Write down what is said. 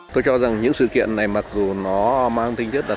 tôi cho rằng những sự kiện này mặc dù nó mang tinh tiết đặc thường